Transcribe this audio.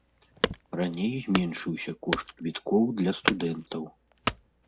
Раней зменшыўся кошт квіткоў для студэнтаў.